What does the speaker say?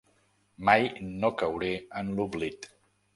Mai no cauré en l'oblit.